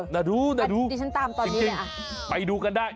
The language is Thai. น่าดูจริงไปดูกันได้